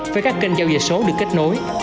với các kênh giao dịch số được kết nối